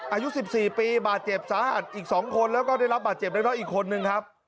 อายุ๑๔ปีบาดเจ็บสาหัสอีก๒คนแล้วก็ได้รับบาดเจ็บเล็กน้อยอีกคนนึงครับ